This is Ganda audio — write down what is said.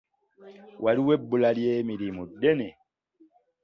Waliwo ebbula ly'emirimu ddene.